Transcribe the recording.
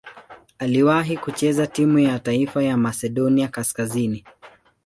Aliwahi kucheza timu ya taifa ya Masedonia Kaskazini.